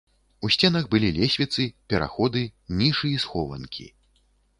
У сценах былі лесвіцы, пераходы, нішы і схованкі.